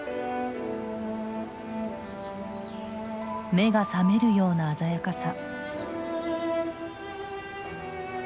目が覚めるような鮮やかさ。